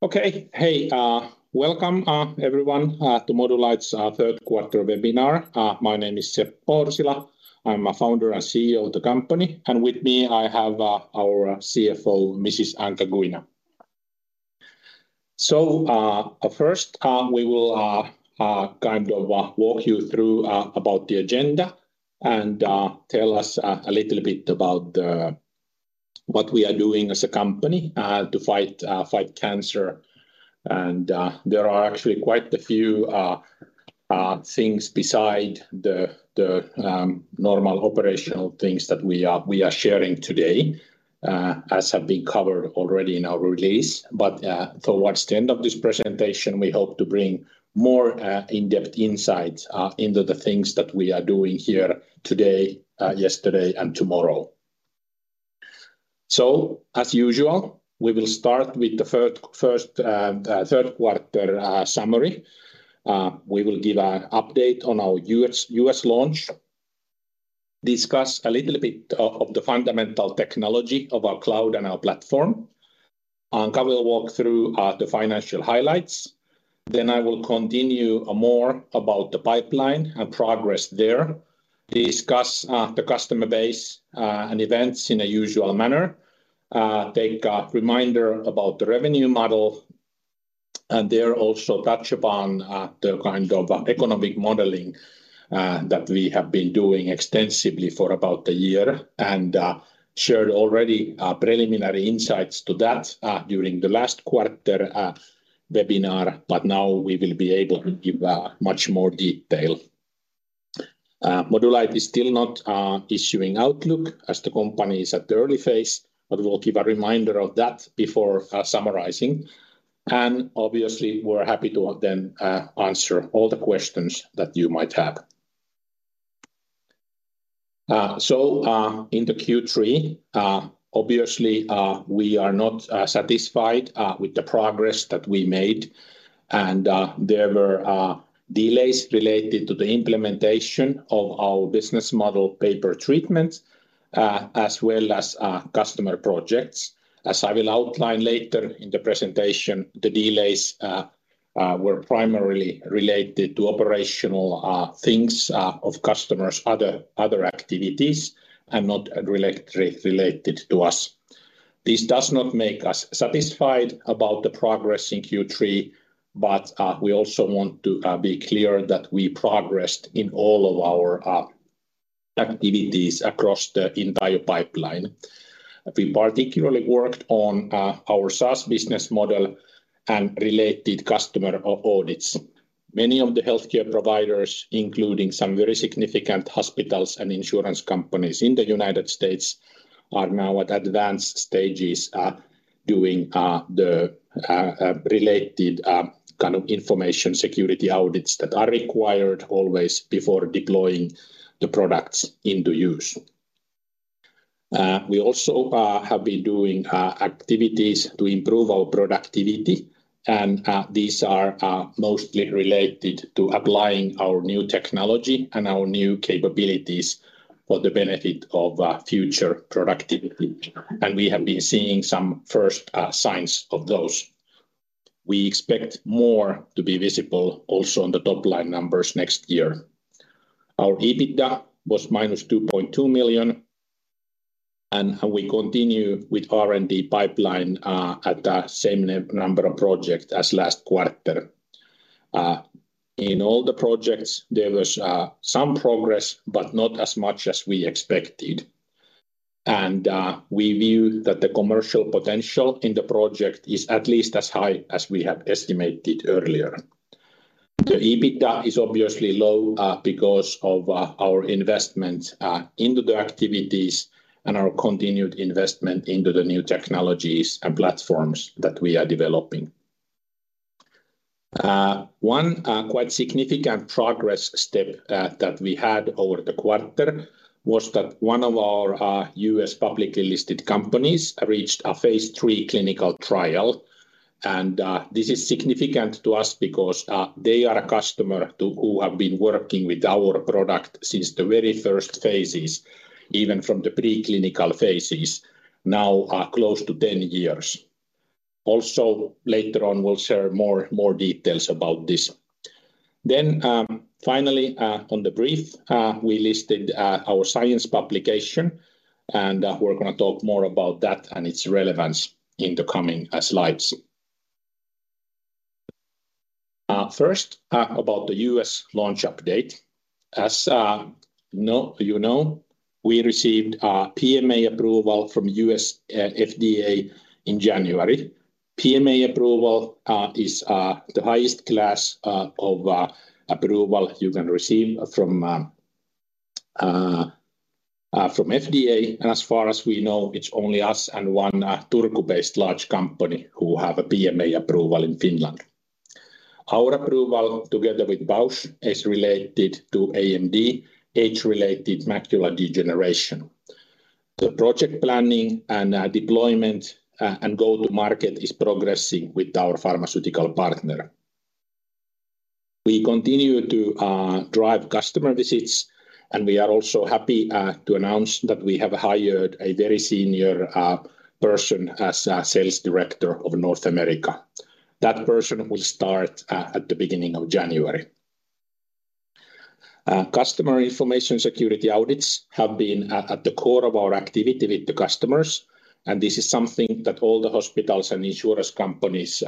Okay. Hey, welcome everyone to Modulight's Q3 webinar. My name is Seppo Orsila. I'm a founder and CEO of the company, and with me, I have our CFO, Mrs. Anca Guina. First, we will kind of walk you through about the agenda and tell us a little bit about what we are doing as a company to fight cancer. There are actually quite a few things beside the normal operational things that we are sharing today as have been covered already in our release. Towards the end of this presentation, we hope to bring more in-depth insights into the things that we are doing here today, yesterday, and tomorrow. As usual, we will start with the Q3 summary. We will give an update on our U.S. launch, discuss a little bit of the fundamental technology of our cloud and our platform. Anca will walk through the financial highlights. Then I will continue more about the pipeline and progress there, discuss the customer base and events in a usual manner. Take a reminder about the revenue model, and there also touch upon the kind of economic modeling that we have been doing extensively for about a year, and shared already preliminary insights to that during the last quarter webinar, but now we will be able to give much more detail. Modulight is still not issuing outlook as the company is at the early phase, but we'll give a reminder of that before summarizing. Obviously, we're happy to then answer all the questions that you might have. In Q3, obviously, we are not satisfied with the progress that we made, and there were delays related to the implementation of our business model pay-per-treatment, as well as customer projects. As I will outline later in the presentation, the delays were primarily related to operational things of customers' other activities and not directly related to us. This does not make us satisfied about the progress in Q3, but we also want to be clear that we progressed in all of our activities across the entire pipeline. We particularly worked on our SaaS business model and related customer audits. Many of the healthcare providers, including some very significant hospitals and insurance companies in the United States, are now at advanced stages doing the related kind of information security audits that are required always before deploying the products into use. We also have been doing activities to improve our productivity, and these are mostly related to applying our new technology and our new capabilities for the benefit of future productivity, and we have been seeing some first signs of those. We expect more to be visible also on the top-line numbers next year. Our EBITDA was -2.2 million, and we continue with R&D pipeline at the same number of projects as last quarter. In all the projects, there was some progress, but not as much as we expected. We view that the commercial potential in the project is at least as high as we have estimated earlier. The EBITDA is obviously low because of our investment into the activities and our continued investment into the new technologies and platforms that we are developing. One quite significant progress step that we had over the quarter was that one of our U.S. publicly listed companies reached a phase III clinical trial. This is significant to us because they are a customer who have been working with our product since the very first phases, even from the preclinical phases, now close to 10 years. Also, later on, we'll share more details about this. Finally, on the brief, we listed our science publication, and we're gonna talk more about that and its relevance in the coming slides. First, about the U.S. launch update. As you know, we received PMA approval from U.S. FDA in January. PMA approval is the highest class of approval you can receive from FDA. As far as we know, it's only us and one Turku-based large company who have a PMA approval in Finland. Our approval, together with Bausch, is related to AMD, age-related macular degeneration. The project planning and deployment and go-to-market is progressing with our pharmaceutical partner. We continue to drive customer visits, and we are also happy to announce that we have hired a very senior person as a Sales Director of North America. That person will start at the beginning of January. Customer information security audits have been at the core of our activity with the customers, and this is something that all the hospitals and insurance companies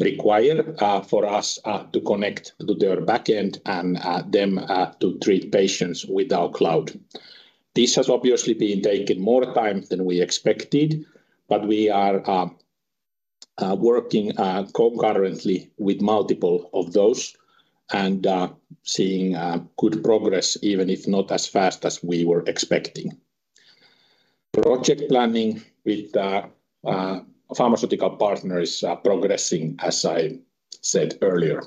require for us to connect to their back end and them to treat patients with our cloud. This has obviously been taking more time than we expected, but we are working concurrently with multiple of those and seeing good progress, even if not as fast as we were expecting. Project planning with the pharmaceutical partners are progressing, as I said earlier.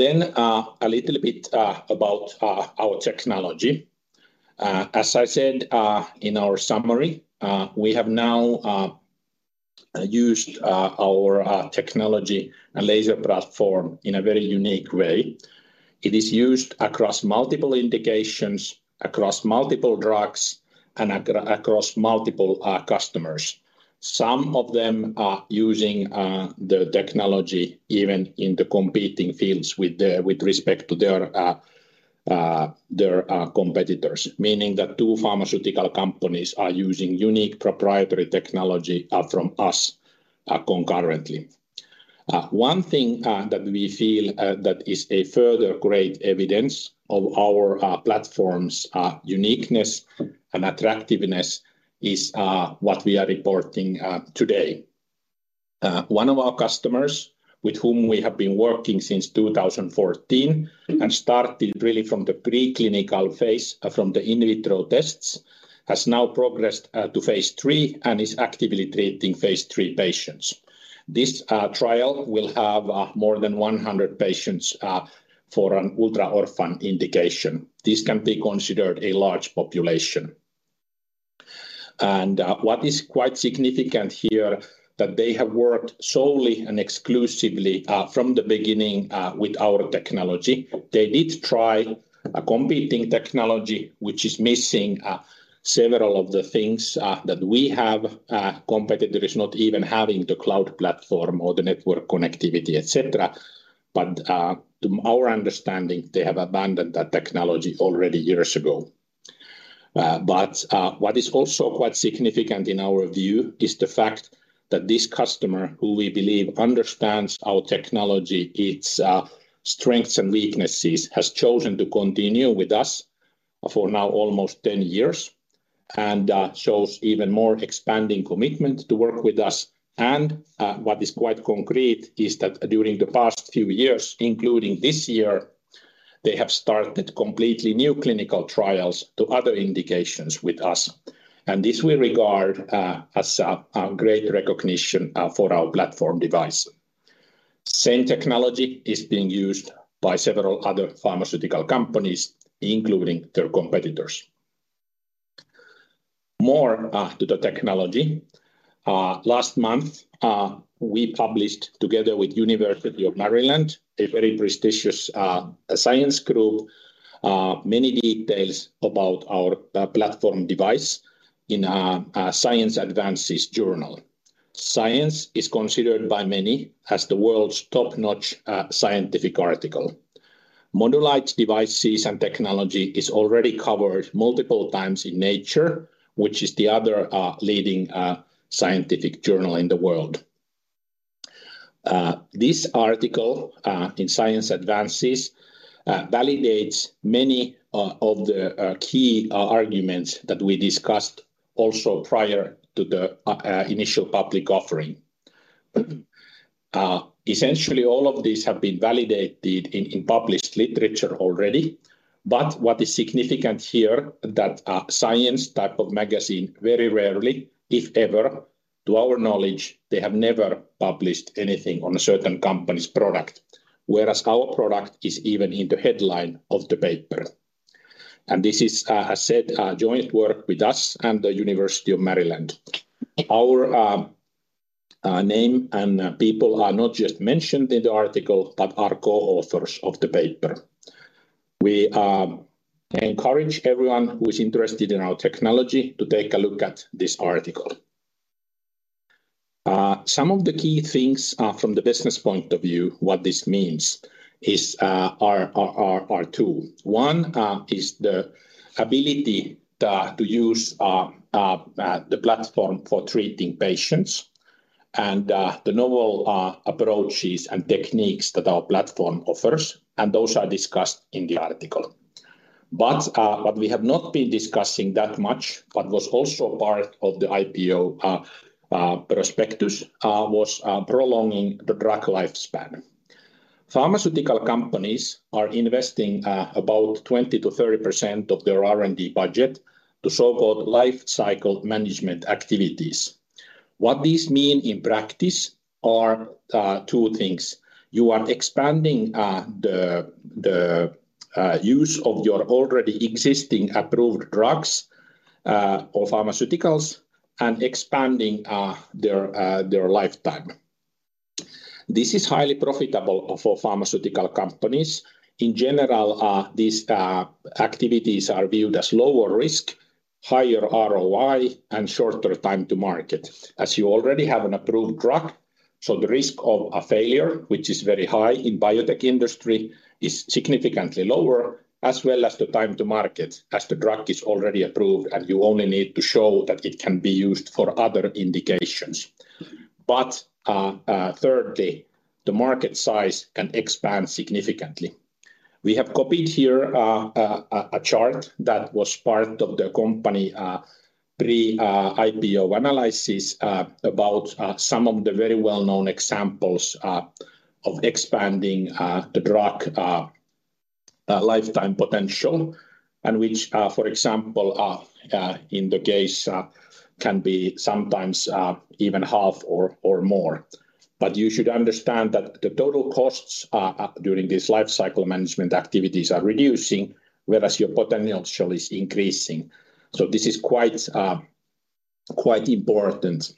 A little bit about our technology. As I said in our summary, we have now used our technology and laser platform in a very unique way. It is used across multiple indications, across multiple drugs, and across multiple customers. Some of them are using the technology even in the competing fields with respect to their competitors. Meaning that two pharmaceutical companies are using unique proprietary technology from us concurrently. One thing that we feel that is a further great evidence of our platform's uniqueness and attractiveness is what we are reporting today. One of our customers, with whom we have been working since 2014, and started really from the preclinical phase, from the in vitro tests, has now progressed to phase III and is actively treating phase III patients. This trial will have more than 100 patients for an ultra-orphan indication. This can be considered a large population. What is quite significant here, that they have worked solely and exclusively from the beginning with our technology. They did try a competing technology, which is missing several of the things that we have. Competitor is not even having the cloud platform or the network connectivity, et cetera. To our understanding, they have abandoned that technology already years ago. What is also quite significant in our view is the fact that this customer, who we believe understands our technology, its strengths and weaknesses, has chosen to continue with us for now almost 10 years and shows even more expanding commitment to work with us. What is quite concrete is that during the past few years, including this year, they have started completely new clinical trials to other indications with us, and this we regard as a great recognition for our platform device. Same technology is being used by several other pharmaceutical companies, including their competitors. More to the technology. Last month, we published together with University of Maryland, a very prestigious science group, many details about our platform device in a Science Advances journal. Science is considered by many as the world's top-notch scientific article. Modulight's devices and technology is already covered multiple times in Nature, which is the other leading scientific journal in the world. This article in Science Advances validates many of the key arguments that we discussed also prior to the initial public offering. Essentially, all of these have been validated in published literature already. What is significant here that a Science type of magazine very rarely, if ever, to our knowledge, they have never published anything on a certain company's product, whereas our product is even in the headline of the paper. This is a said joint work with us and the University of Maryland. Our name and people are not just mentioned in the article, but are co-authors of the paper. We encourage everyone who is interested in our technology to take a look at this article. Some of the key things from the business point of view, what this means, are two. One is the ability to use the platform for treating patients and the novel approaches and techniques that our platform offers, and those are discussed in the article. What we have not been discussing that much, but was also part of the IPO prospectus, was prolonging the drug lifespan. Pharmaceutical companies are investing about 20%-30% of their R&D budget to so-called life cycle management activities. What this mean in practice are two things: You are expanding the use of your already existing approved drugs or pharmaceuticals. Expanding their lifetime. This is highly profitable for pharmaceutical companies. In general, these activities are viewed as lower risk, higher ROI, and shorter time to market, as you already have an approved drug, so the risk of a failure, which is very high in biotech industry, is significantly lower, as well as the time to market, as the drug is already approved, and you only need to show that it can be used for other indications. Thirdly, the market size can expand significantly. We have copied here a chart that was part of the company pre-IPO analysis about some of the very well-known examples of expanding the drug lifetime potential, and which, for example, in the case, can be sometimes even half or more. You should understand that the total costs during this life cycle management activities are reducing, whereas your potential is increasing. This is quite important.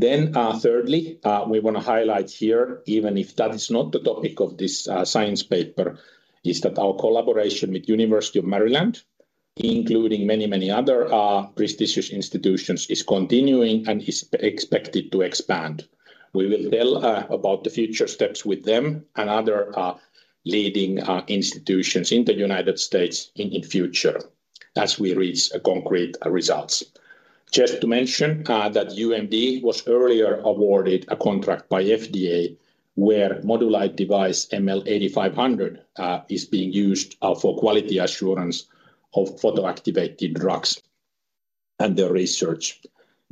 Thirdly, we want to highlight here, even if that is not the topic of this science paper, is that our collaboration with University of Maryland, including many, many other prestigious institutions, is continuing and is expected to expand. We will tell about the future steps with them and other leading institutions in the United States in the future, as we reach a concrete results. Just to mention that UMD was earlier awarded a contract by FDA, where Modulight device ML8500 is being used for quality assurance of photoactivated drugs and their research.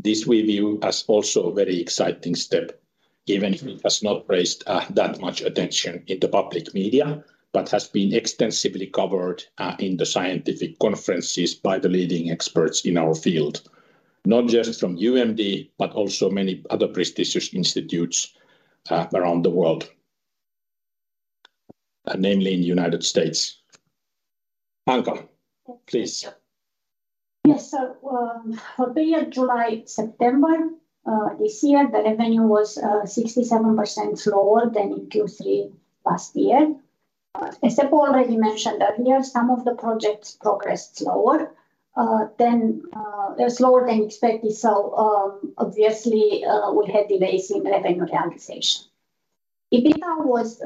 This we view as also a very exciting step, even if it has not raised that much attention in the public media, but has been extensively covered in the scientific conferences by the leading experts in our field, not just from UMD, but also many other prestigious institutes around the world, and namely in the United States. Anca, please. Yes, for the period July-September this year, the revenue was 67% lower than in Q3 last year. As Seppo already mentioned earlier, some of the projects progressed slower than expected, so obviously, we had delays in revenue realization. EBITDA was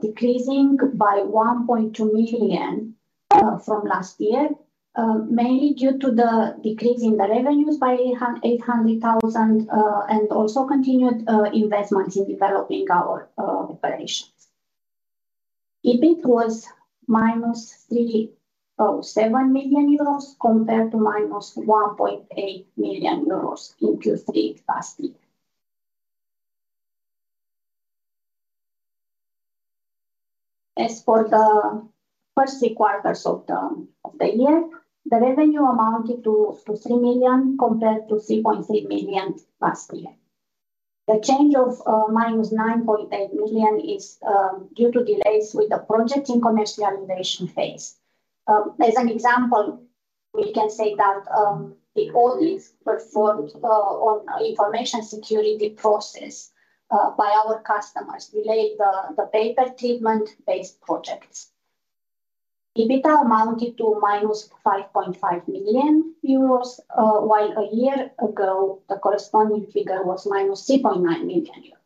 decreasing by 1.2 million from last year, mainly due to the decrease in the revenues by 800,000 and also continued investments in developing our operations. EBIT was -3.07 million euros compared to -1.8 million euros in Q3 last year. As for the first three quarters of the year, the revenue amounted to 3 million compared to 3.3 million last year. The change of -9.8 million is due to delays with the project in commercialization phase. As an example, we can say that the audits performed on information security process by our customers relate the pay-per-treatment-based projects. EBITDA amounted to -5.5 million euros while a year ago, the corresponding figure was -3.9 million euros.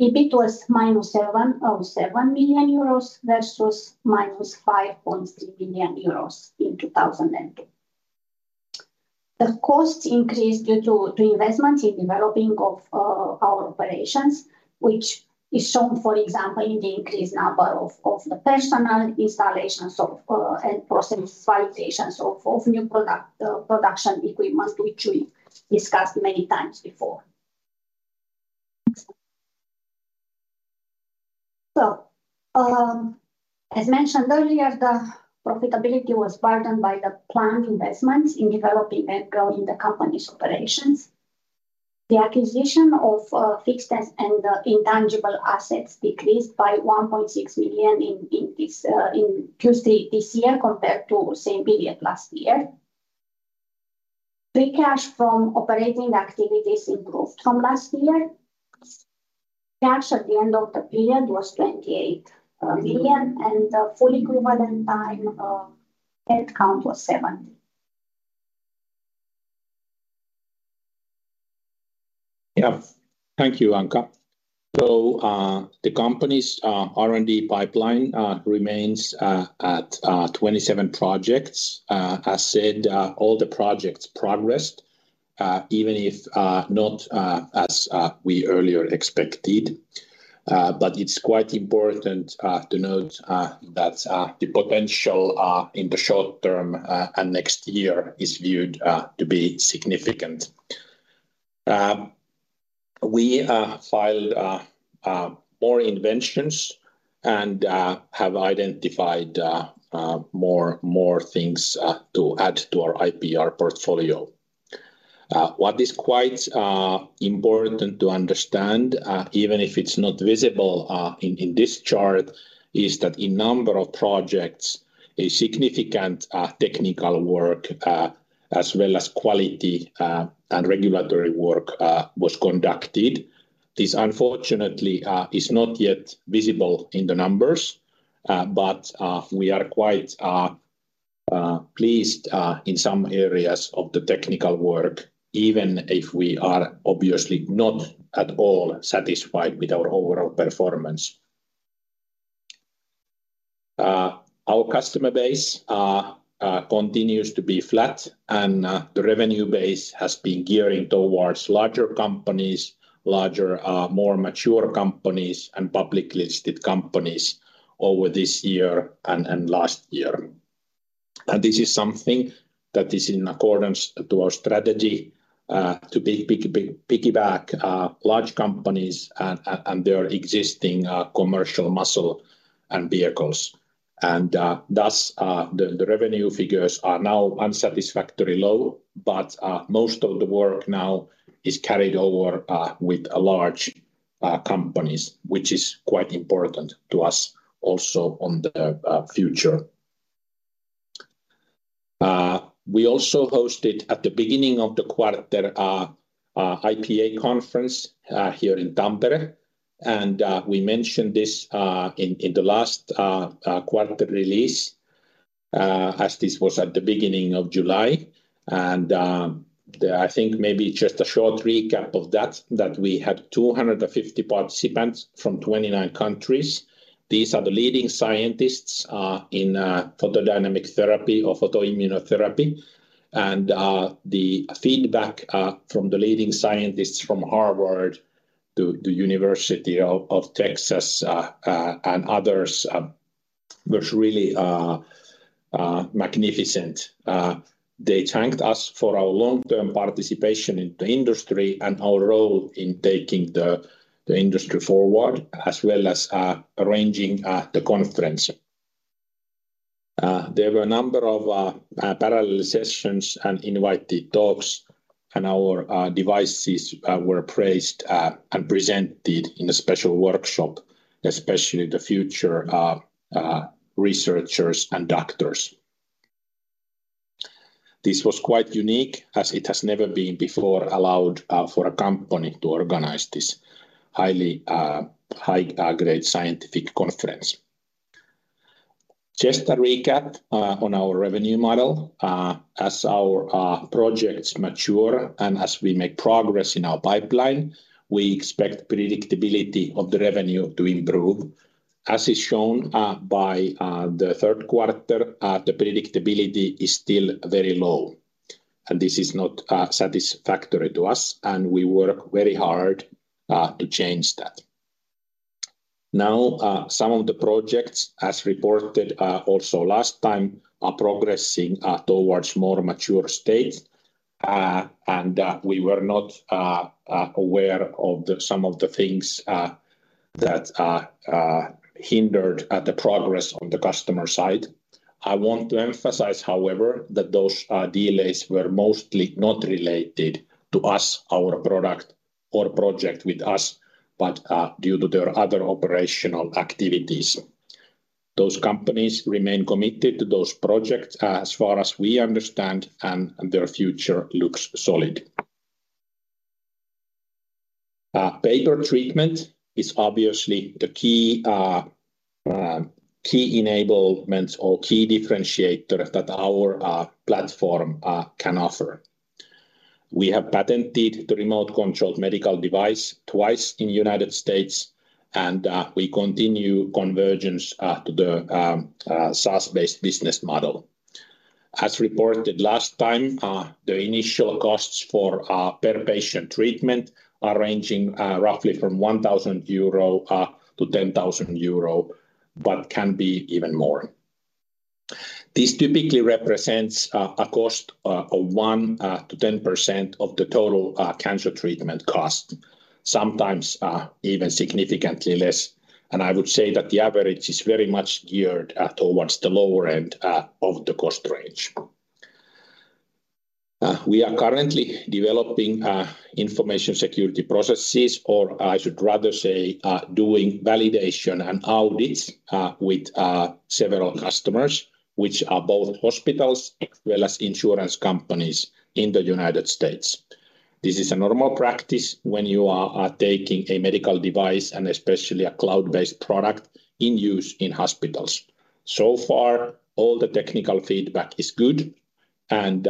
EBIT was EUR -7.07 million versus -5.3 million euros in 2002. The costs increased due to investment in developing of our operations, which is shown, for example, in the increased number of the personnel, installations of and process validations of new product production equipment, which we discussed many times before. As mentioned earlier, the profitability was burdened by the planned investments in developing and growing the company's operations. The acquisition of fixed assets and intangible assets decreased by 1.6 million in Q3 this year, compared to same period last year. Free cash from operating activities improved from last year. Cash at the end of the period was 28 million, and the full equivalent time headcount was 70. Yeah. Thank you, Anca. The company's R&D pipeline remains at 27 projects. As said, all the projects progressed, even if not as we earlier expected. It's quite important to note that the potential in the short term and next year is viewed to be significant. We filed more inventions and have identified more things to add to our IPR portfolio. What is quite important to understand, even if it's not visible in this chart, is that in number of projects, a significant technical work, as well as quality and regulatory work, was conducted. This, unfortunately, is not yet visible in the numbers, but we are quite pleased in some areas of the technical work, even if we are obviously not at all satisfied with our overall performance. Our customer base continues to be flat, and the revenue base has been gearing towards larger companies, larger, more mature companies, and publicly listed companies over this year and last year. This is something that is in accordance to our strategy to piggyback large companies and their existing commercial muscle and vehicles. Thus, the revenue figures are now unsatisfactorily low, but most of the work now is carried over with large companies, which is quite important to us also on the future. [Garbled text/Artifacts]-> 250. *Wait, "29":* "twenty-nine" -> 29. *Wait, "July":* "July". *Wait, "Tampere":* "Tampere". *Wait, "Harvard":* "Harvard". *Wait, "University of Texas":* "University of Texas". *Wait, "photodynamic therapy":* "photodynamic therapy". *Wait, "photoimmunotherapy":* "photoimmunotherapy". *Wait, "IPA":* "IPA". *Wait, "long-term":* "long-term". *Wait, "quarter release":* "quarter release". *Wait, "IPA conference":* There were a number of parallel sessions and invited talks, and our devices were praised and presented in a special workshop, especially the future researchers and doctors. This was quite unique, as it has never been before allowed for a company to organize this high-grade scientific conference. Just a recap on our revenue model. As our projects mature and as we make progress in our pipeline, we expect predictability of the revenue to improve. As is shown by the Q3, the predictability is still very low, and this is not satisfactory to us, and we work very hard to change that. Now some of the projects, as reported also last time, are progressing towards more mature state. We were not aware of some of the things that hindered the progress on the customer side. I want to emphasize, however, that those delays were mostly not related to us, our product, or project with us, but due to their other operational activities. Those companies remain committed to those projects, as far as we understand, and their future looks solid. Pay-per-treatment is obviously the key enablement or key differentiator that our platform can offer. We have patented the remote-controlled medical device twice in the United States, and we continue convergence to the SaaS-based business model. As reported last time, the initial costs for per patient treatment are ranging roughly from 1 thousand-10 thousand euro, but can be even more. This typically represents a cost of 1%-10% of the total cancer treatment cost, sometimes even significantly less, and I would say that the average is very much geared towards the lower end of the cost range. We are currently developing information security processes, or I should rather say, doing validation and audits with several customers, which are both hospitals, as well as insurance companies in the United States. This is a normal practice when you are taking a medical device, and especially a cloud-based product, in use in hospitals. So far, all the technical feedback is good, and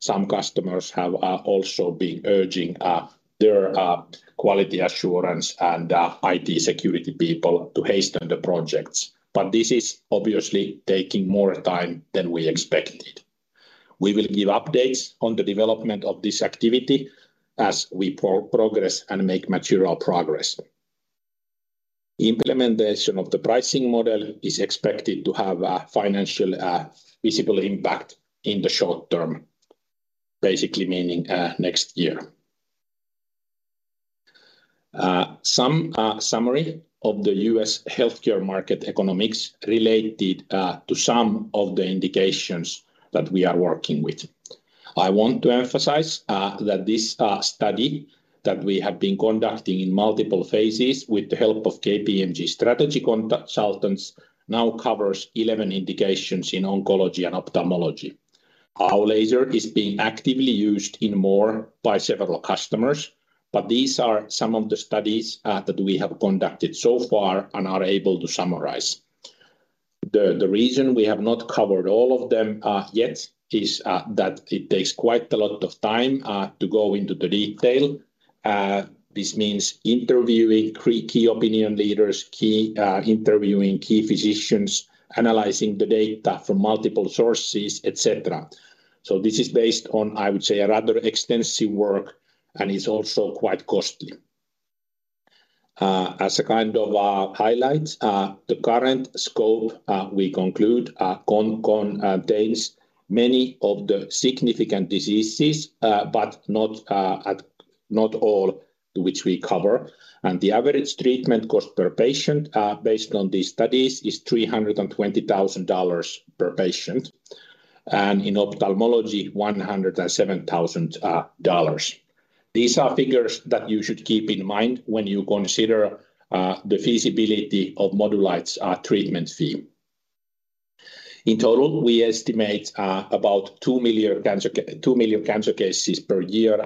some customers have also been urging their quality assurance and IT security people to hasten the projects, but this is obviously taking more time than we expected. We will give updates on the development of this activity as we progress and make material progress. Implementation of the pricing model is expected to have a financial visible impact in the short term, basically meaning next year. Some summary of the U.S. healthcare market economics related to some of the indications that we are working with. I want to emphasize that this study that we have been conducting in multiple phases with the help of KPMG strategy consultants now covers 11 indications in oncology and ophthalmology. Our laser is being actively used in more by several customers, but these are some of the studies that we have conducted so far and are able to summarize. The reason we have not covered all of them yet is that it takes quite a lot of time to go into the detail. This means interviewing key opinion leaders, interviewing key physicians, analyzing the data from multiple sources, et cetera. This is based on, I would say, a rather extensive work, and it's also quite costly. As a kind of highlight, the current scope, we conclude, contains many of the significant diseases, but not all which we cover. [Garbled text/Artifacts], "one hundred and seven thousand... dollars" -> "$107,000". * Wait, "two million cancer cases" -> "2 million cancer cases". * Wait, "two million cancer cases" -> "2 million cancer cases". * Wait, "three hundred and twenty thousand dollars" -> "$320,000". * Wait, "one hundred and seven thousand... dollars" -> "$107,000". * Wait, "two million cancer cases" -> "2 million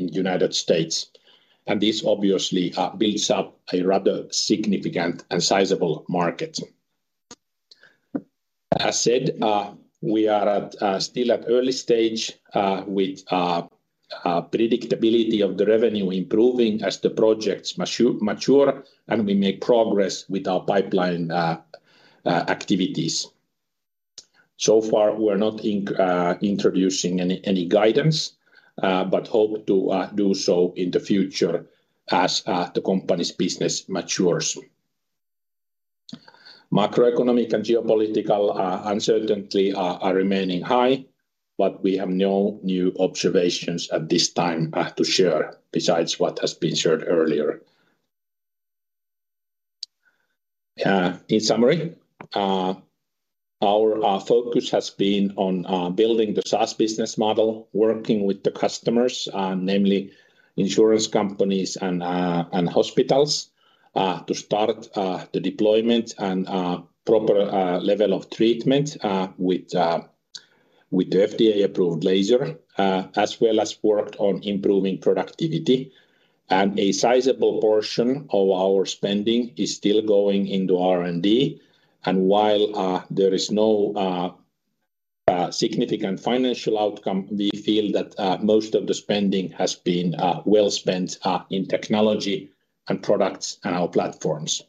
cancer cases". * Wait, "two million cancer cases" -> "2 million cancer cases". * Wait, "three hundred and twenty thousand dollars" -> "$320,000". * Wait, "one hundred and seven thousand... dollars" -> "$107,000". * Wait, "two million cancer cases" -> "2 millio Macroeconomic and geopolitical uncertainty are remaining high, but we have no new observations at this time to share, besides what has been shared earlier. In summary, our focus has been on building the SaaS business model, working with the customers, namely insurance companies and hospitals, to start the deployment and proper level of treatment with the FDA-approved laser, as well as worked on improving productivity. A sizable portion of our spending is still going into R&D. While there is no significant financial outcome, we feel that most of the spending has been well spent in technology and products and our platforms.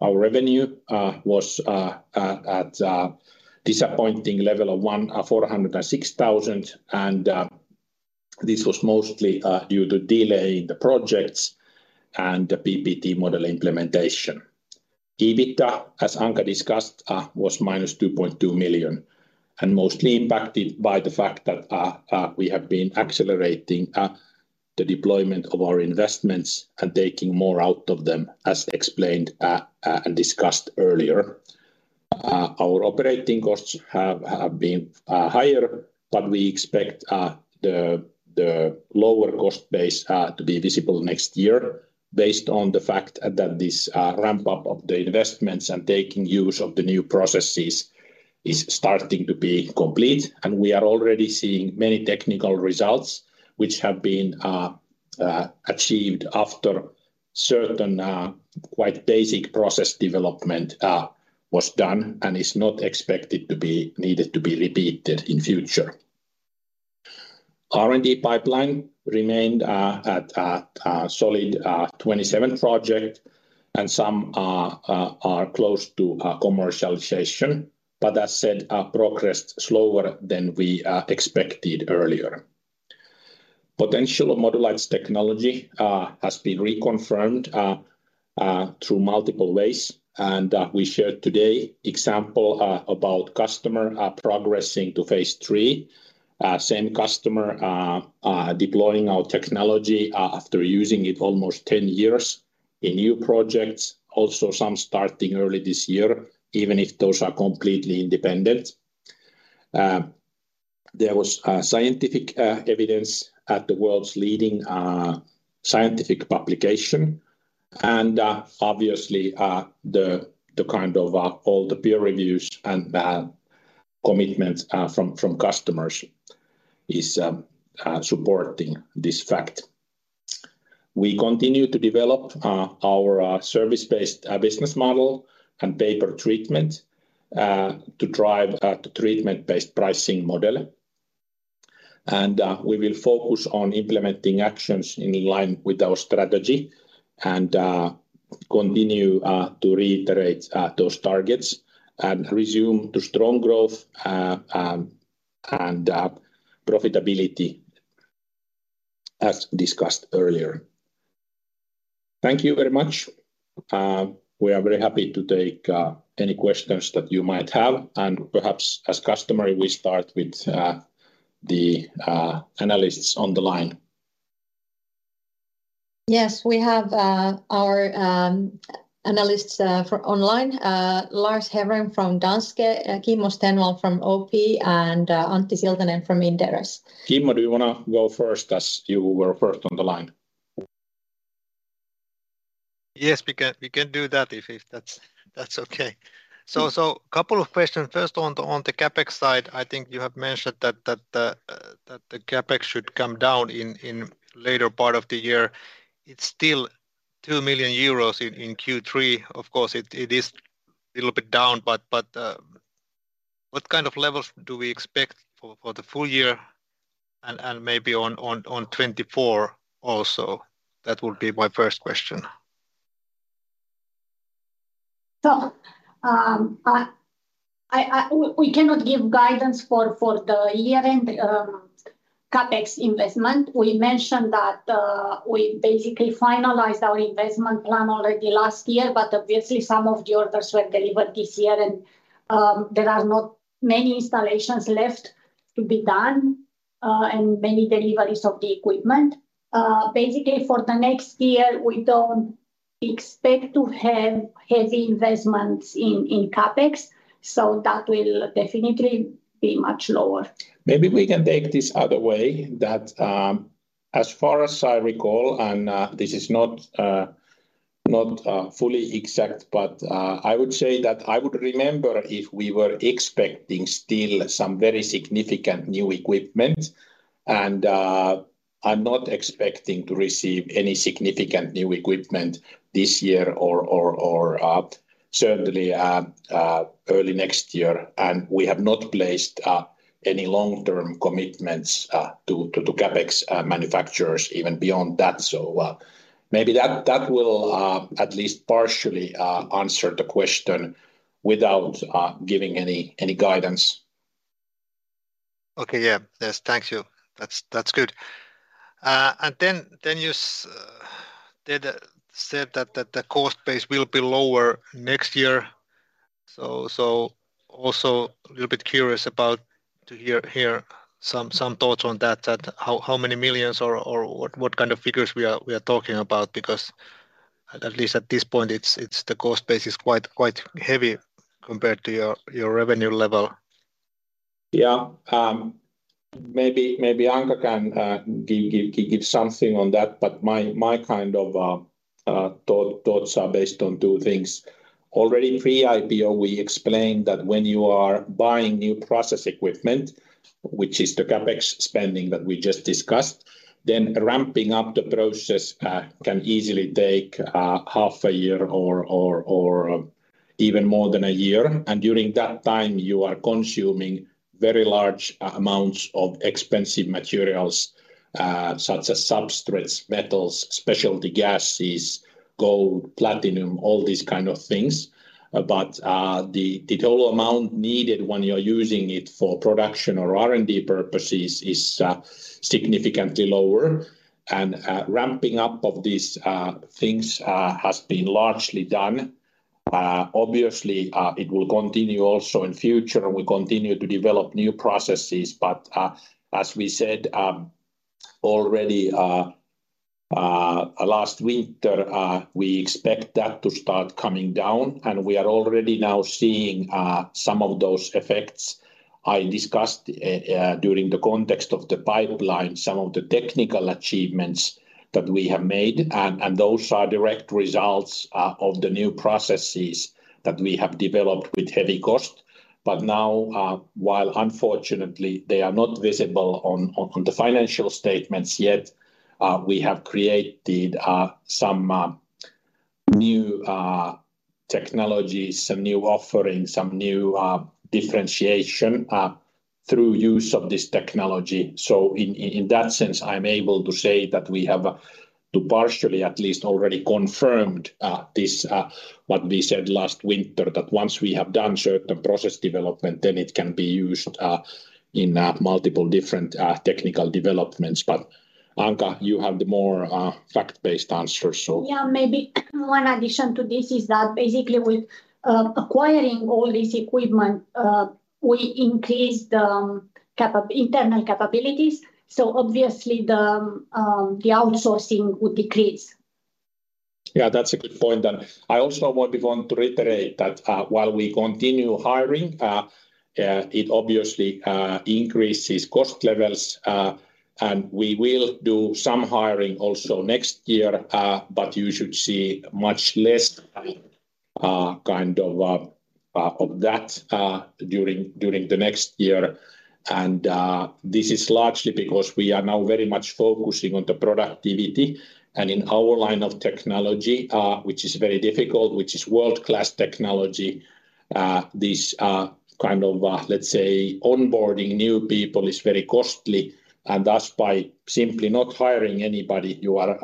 Our revenue was at disappointing level of 1,406 thousand, and this was mostly due to delay in the projects and the PPT model implementation. EBITDA, as Anca discussed, was -2.2 million, and mostly impacted by the fact that we have been accelerating the deployment of our investments and taking more out of them, as explained and discussed earlier. Our operating costs have been higher, but we expect the lower cost base to be visible next year, based on the fact that this ramp-up of the investments and taking use of the new processes is starting to be complete. We are already seeing many technical results, which have been achieved after certain quite basic process development was done and is not expected to be needed to be repeated in future. R&D pipeline remained at a solid 27 project, and some are close to commercialization, but as said, progressed slower than we expected earlier. Potential of Modulight's technology has been reconfirmed through multiple ways, and we shared today example about customer progressing to phase III. Same customer deploying our technology after using it almost 10 years in new projects. Also, some starting early this year, even if those are completely independent. There was scientific evidence at the world's leading scientific publication and obviously the kind of all the peer reviews and commitments from customers is supporting this fact. We continue to develop our service-based business model and pay-per-treatment to drive the treatment-based pricing model. We will focus on implementing actions in line with our strategy and continue to reiterate those targets and resume to strong growth and profitability, as discussed earlier. Thank you very much. We are very happy to take any questions that you might have, and perhaps as customary, we start with the analysts on the line. Yes, we have our analysts for online. Lars Herrem from Danske, Kimmo Stenvall from OP, and Antti Siltanen from Inderes. Kimmo, do you wanna go first as you were first on the line? Yes, we can do that if that's okay. Couple of questions. First, on the CapEx side, I think you have mentioned that the CapEx should come down in later part of the year. It's still 2 million euros in Q3. Of course, it is little bit down, but what kind of levels do we expect for the full year and maybe on 2024 also? That would be my first question. We cannot give guidance for the year-end CapEx investment. We mentioned that we basically finalized our investment plan already last year, but obviously some of the orders were delivered this year, and there are not many installations left to be done and many deliveries of the equipment. Basically, for the next year, we don't expect to have heavy investments in CapEx, so that will definitely be much lower. Maybe we can take this other way, that, as far as I recall, and this is not fully exact, but I would say that I would remember if we were expecting still some very significant new equipment. I'm not expecting to receive any significant new equipment this year or certainly early next year. We have not placed any long-term commitments to CapEx manufacturers even beyond that. Maybe that will at least partially answer the question without giving any guidance. Is this a question? * "Also little bit curious about to hear some thoughts on that, how many millions or what kind of figures we are talking about?" * Yes, it's a question. * Wait, "Then you said that the cost base will be lower next year." * Is this a question? * "Then you said that the cost base will be lower next year." * It's a statement o Yeah. Maybe Anca can give something on that, but my kind of thoughts are based on two things. Already pre-IPO, we explained that when you are buying new process equipment, which is the CapEx spending that we just discussed, then ramping up the process can easily take half a year or even more than a year. During that time, you are consuming very large amounts of expensive materials, such as substrates, metals, specialty gases, gold, platinum, all these kind of things. The total amount needed when you're using it for production or R&D purposes is significantly lower. Ramping up of these things has been largely done. Obviously, it will continue also in future, and we continue to develop new processes, but as we said already last winter, we expect that to start coming down, and we are already now seeing some of those effects. I discussed during the context of the pipeline some of the technical achievements that we have made, and those are direct results of the new processes that we have developed with heavy cost. Now, while unfortunately, they are not visible on the financial statements yet, we have created some new technologies, some new offerings, some new differentiation through use of this technology. In that sense, I'm able to say that we have, to partially at least, already confirmed this what we said last winter, that once we have done certain process development, then it can be used in multiple different technical developments. Anca, you have the more fact-based answer. Yeah, maybe one addition to this is that basically with acquiring all this equipment, we increased internal capabilities, so obviously, the outsourcing would decrease. Yeah, that's a good point, and I also would want to reiterate that while we continue hiring, it obviously increases cost levels. We will do some hiring also next year, but you should see much less kind of that during the next year. This is largely because we are now very much focusing on the productivity, and in our line of technology, which is very difficult, which is world-class technology. This kind of, let's say, onboarding new people is very costly. Thus, by simply not hiring anybody, you are,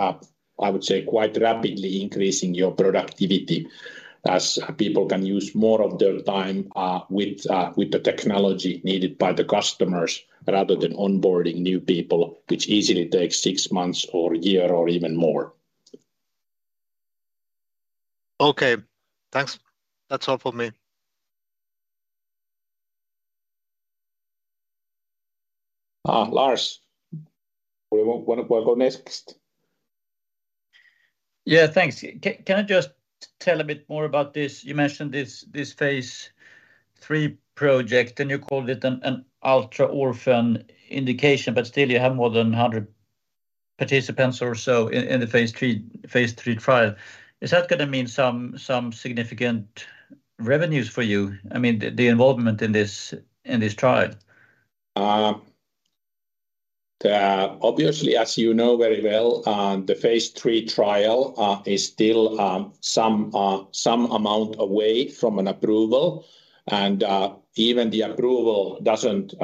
I would say, quite rapidly increasing your productivity. As people can use more of their time with the technology needed by the customers, rather than onboarding new people, which easily takes six months or a year or even more. Okay, thanks. That's all for me. Lars, want to go next? Yeah, thanks. Can I just tell a bit more about this? You mentioned this phase III project, and you called it an ultra-orphan indication, but still you have more than 100 participants or so in the phase III trial. Is that gonna mean some significant revenues for you? I mean, the involvement in this trial. Obviously, as you know very well, the phase III trial is still some amount away from an approval. Even the approval doesn't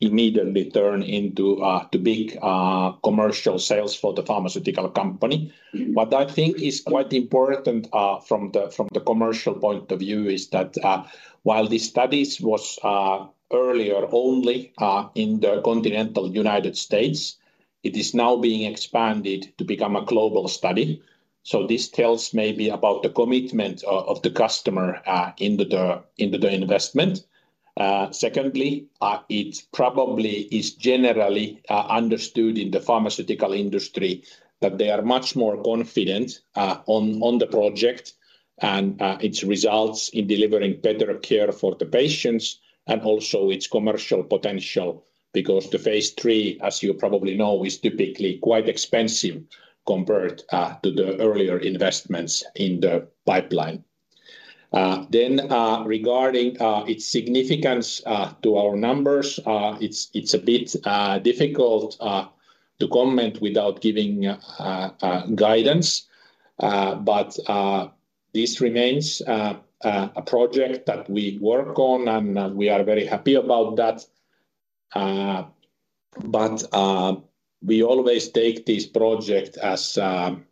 immediately turn into big commercial sales for the pharmaceutical company. What I think is quite important from the commercial point of view is that while the studies was earlier only in the continental United States, it is now being expanded to become a global study. This tells maybe about the commitment of the customer into the investment. Secondly, it probably is generally understood in the pharmaceutical industry that they are much more confident on the project and its results in delivering better care for the patients and also its commercial potential. Because the phase III, as you probably know, is typically quite expensive compared to the earlier investments in the pipeline. Regarding its significance to our numbers, it's a bit difficult to comment without giving guidance. This remains a project that we work on, and we are very happy about that. We always take this project as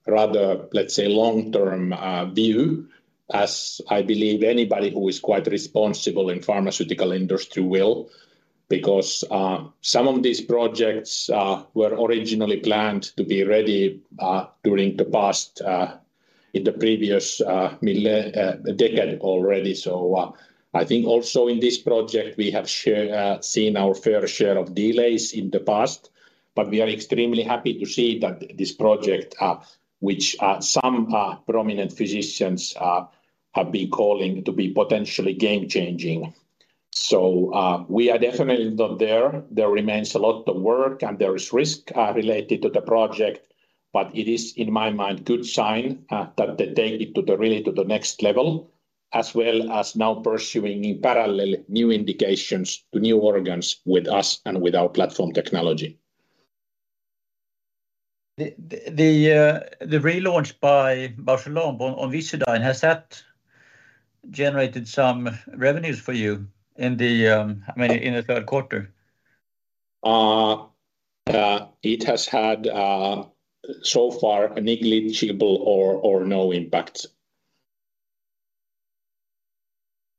rather, let's say, long-term view, as I believe anybody who is quite responsible in pharmaceutical industry will. Because some of these projects were originally planned to be ready during the past, in the previous decade already. I think also in this project, we have seen our fair share of delays in the past, but we are extremely happy to see that this project, which some prominent physicians have been calling to be potentially game-changing. We are definitely not there. There remains a lot of work, and there is risk related to the project, but it is, in my mind, good sign that they take it to the really, to the next level, as well as now pursuing in parallel new indications to new organs with us and with our platform technology. The relaunch by Bausch + Lomb on Visudyne, has that generated some revenues for you in the, I mean, in the Q3? It has had so far a negligible or no impact.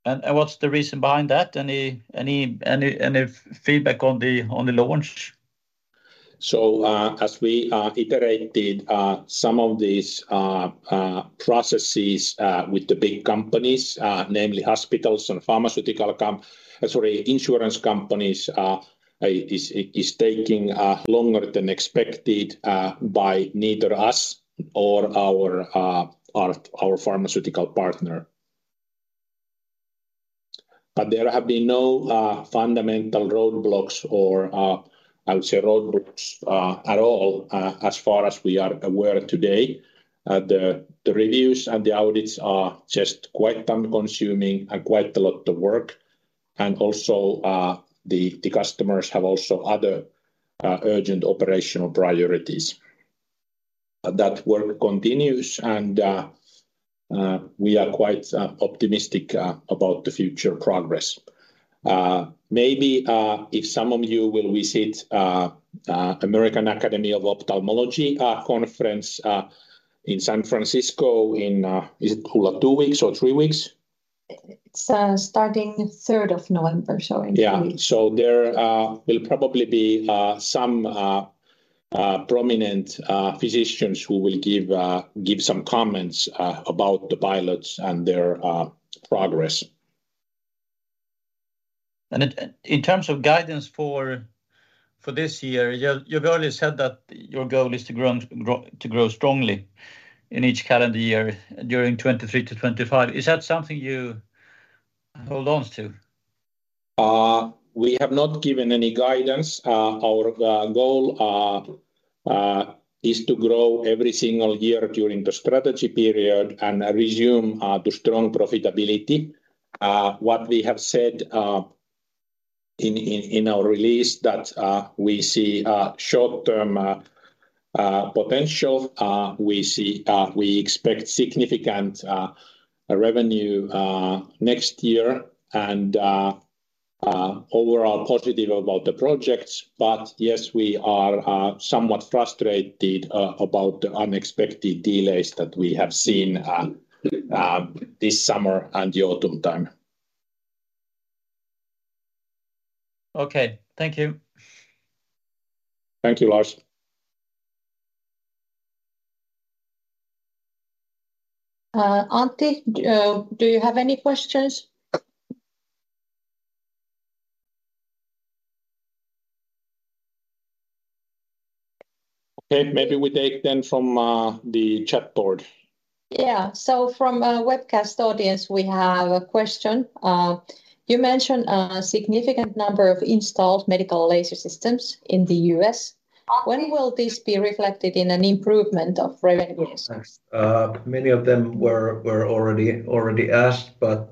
What's the reason behind that? Any feedback on the launch? As we iterated some of these processes with the big companies, namely hospitals and insurance companies, is taking longer than expected by neither us or our pharmaceutical partner. But there have been no fundamental roadblocks or, I would say, roadblocks at all as far as we are aware today. The reviews and the audits are just quite time-consuming and quite a lot of work, and also the customers have also other urgent operational priorities. That work continues, and we are quite optimistic about the future progress. Maybe if some of you will visit American Academy of Ophthalmology conference in San Francisco in, is it two weeks or three weeks? It's starting third of November, so in two weeks. Yeah. There will probably be some prominent physicians who will give some comments about the pilots and their progress. In terms of guidance for this year, you've earlier said that your goal is to grow strongly in each calendar year during 2023-2025. Is that something you hold on to? We have not given any guidance. Our goal is to grow every single year during the strategy period and resume to strong profitability. What we have said in our release, that we see short-term potential. We see- we expect significant revenue next year, and overall positive about the projects. Yes, we are somewhat frustrated about the unexpected delays that we have seen this summer and the autumn time. Okay, thank you. Thank you, Lars. Antti, do you have any questions? Okay, maybe we take them from the chat board. Yeah. From our webcast audience, we have a question. You mentioned a significant number of installed medical laser systems in the U.S. When will this be reflected in an improvement of revenues? Many of them were already asked, but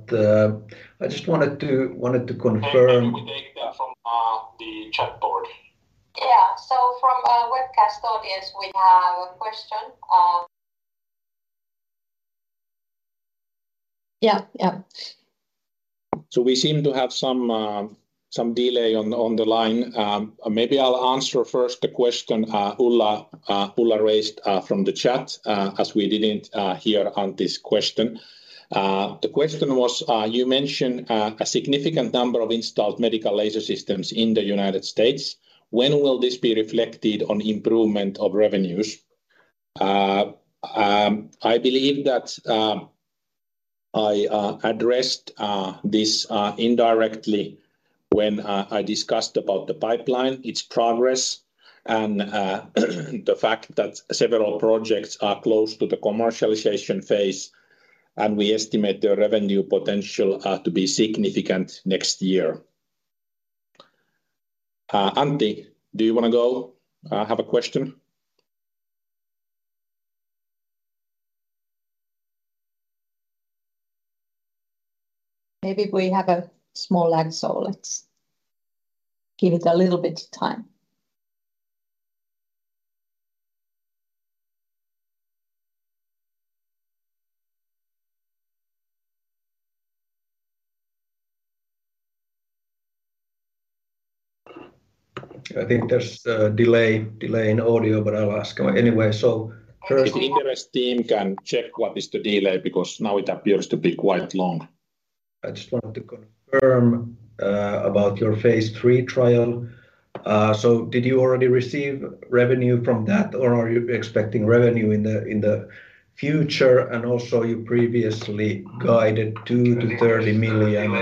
I just wanted to confirm. Maybe we take that from the chat board. Yeah. From our webcast audience, we have a question. Yeah. Yeah. We seem to have some delay on the line. Maybe I'll answer first the question Ulla raised from the chat as we didn't hear Antti's question. The question was, you mentioned a significant number of installed medical laser systems in the United States. When will this be reflected on improvement of revenues? I believe that I addressed this indirectly when I discussed about the pipeline, its progress, and the fact that several projects are close to the commercialization phase, and we estimate the revenue potential to be significant next year. Antti, do you wanna go have a question? Maybe we have a small lag, so let's give it a little bit of time. I think there's a delay in audio, but I'll ask anyway. First, if Inderes team can check what is the delay, because now it appears to be quite long. I just wanted to confirm about your phase III trial. Did you already receive revenue from that, or are you expecting revenue in the future? Also you previously guided 2 million-30 million.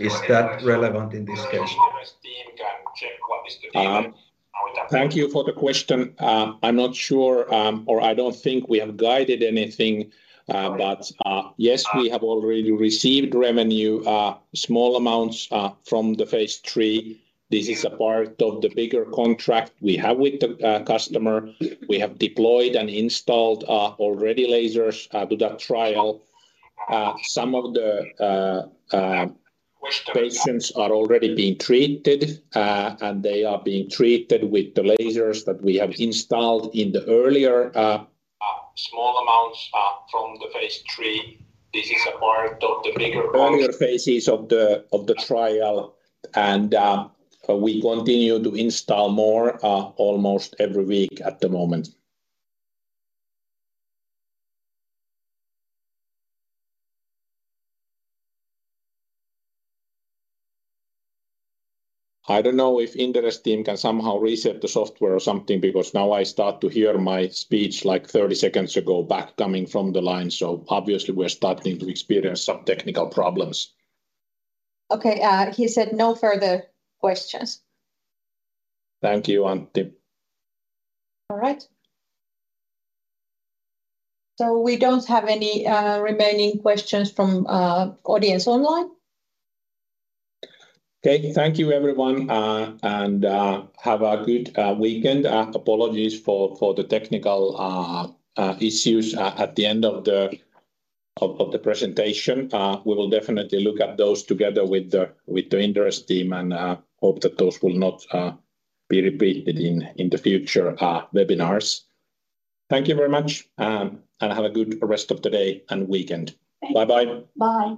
Is that relevant in this case? Inderes team can check what is the delay. Thank you for the question. I'm not sure, or I don't think we have guided anything. Yes, we have already received revenue, small amounts, from the phase III. This is a part of the bigger contract we have with the customer. We have deployed and installed already lasers to that trial. Some of the patients are already being treated and they are being treated with the lasers that we have installed in the earlier small amounts from the phase III. This is a part of the earlier phases of the trial, and we continue to install more almost every week at the moment. I don't know if Inderes team can somehow reset the software or something, because now I start to hear my speech like 30 seconds ago, back coming from the line, so obviously we're starting to experience some technical problems. Okay, he said no further questions. Thank you, Antti. All right. We don't have any remaining questions from audience online. Okay. Thank you, everyone, and have a good weekend. Apologies for the technical issues at the end of the presentation. We will definitely look at those together with the Inderes team, and hope that those will not be repeated in the future webinars. Thank you very much, and have a good rest of the day and weekend. Thank you. Bye-bye. Bye.